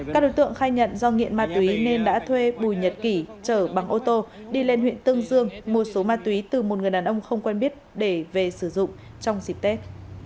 các đối tượng khai nhận do nghiện ma túy nên đã thuê bùi nhật kỷ chở bằng ô tô đi lên huyện tương dương mua số ma túy từ một người đàn ông không quen biết để về sử dụng trong dịp tết